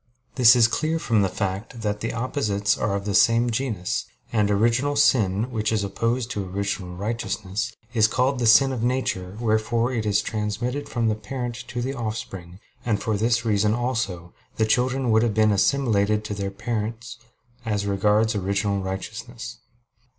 This is clear from the fact that opposites are of the same genus; and original sin, which is opposed to original righteousness, is called the sin of nature, wherefore it is transmitted from the parent to the offspring; and for this reason also, the children would have been assimilated to their parents as regards original righteousness.